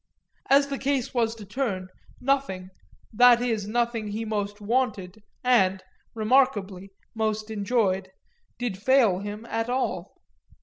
As the case was to turn nothing that is nothing he most wanted and, remarkably, most enjoyed did fail him at all.